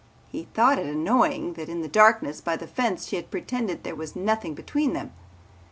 He thought it annoying that in the darkness by the fence she had pretended there was nothing between them.